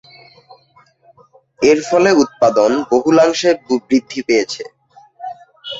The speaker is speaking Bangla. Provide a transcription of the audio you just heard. এর ফলে উৎপাদন বহুলাংশে বৃদ্ধি পেয়েছে।